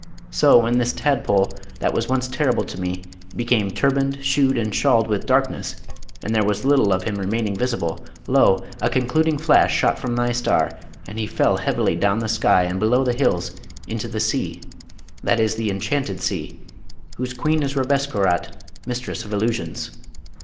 So when this tadpole, that was once terrible to me, became turbaned, shoed, and shawled with darkness, and there was little of him remaining visible, lo! a concluding flash shot from thy star, and he fell heavily down the sky and below the hills, into the sea, that is the Enchanted Sea, whose Queen is Rabesqurat, Mistress of Illusions.